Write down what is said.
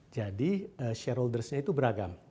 jadi shareholders nya itu beragam